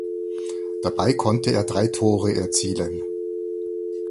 Dabei konnte er drei Tore erzielen.